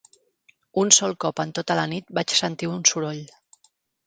Un sol cop en tota la nit vaig sentir un soroll